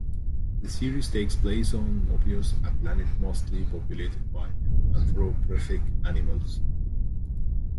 The series takes place on Mobius, a planet mostly populated by anthropomorphic animals.